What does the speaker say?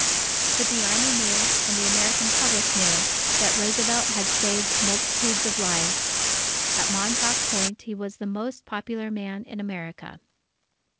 But the Army knew, and the American Public knew, that Roosevelt had saved multitudes of lives. At Montauk Point, he was the most popular man in America.